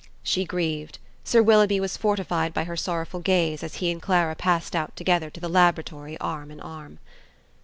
She grieved. Sir Willoughby was fortified by her sorrowful gaze as he and Clara passed out together to the laboratory arm in arm.